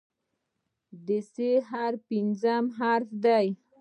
د "ث" حرف پنځم حرف دی.